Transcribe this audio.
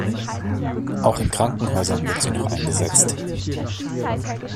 Auch in Krankenhäusern wird sie noch eingesetzt.